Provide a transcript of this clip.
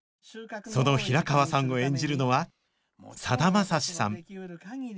その平川さんを演じるのはさだまさしさん